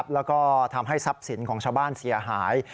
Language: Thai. แล้วก็ทำให้ทรัพย์สินของชาวบ้านเสียหาย